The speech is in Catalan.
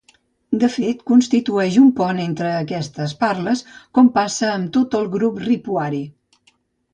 De fet constitueix un pont entre aquestes parles, com passa amb tot el grup ripuari.